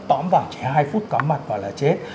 tóm vào chỉ hai phút cám mặt vào là chết